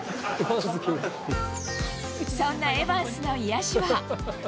そんなエヴァンスの癒やしは。